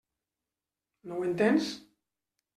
No ho entens?